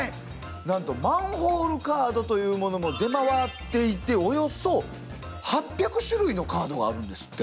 なんとマンホールカードというものも出回っていておよそ８００種類のカードがあるんですって。